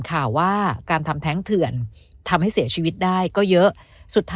ข่าวว่าการทำแท้งเถื่อนทำให้เสียชีวิตได้ก็เยอะสุดท้าย